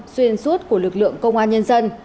xuyên suốt của lực lượng công an nhân dân